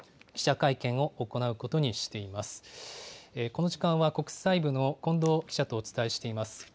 この時間は国際部の近藤記者とお伝えしています。